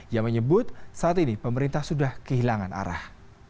yang menyebut saat ini pemerintah sudah kehilangan arah